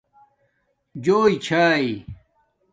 جݸݵ چھائئ